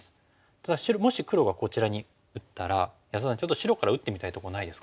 ただもし黒がこちらに打ったら安田さんちょっと白から打ってみたいとこないですか？